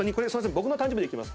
僕の誕生日でいきます。